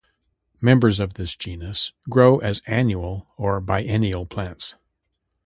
Members of this genus grow as annual or biennial plants.